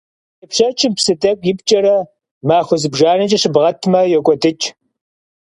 Тепщэчым псы тӀэкӀу ипкӀэрэ махуэ зыбжанэкӀэ щыбгъэтмэ, йокӀуэдыкӀ.